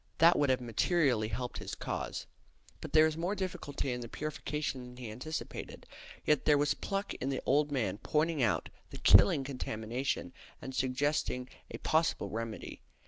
That would have materially helped his cause. But there is more difficulty in the purification than he anticipated. Yet there was pluck in the old man pointing out the killing contamination and suggesting a possible remedy.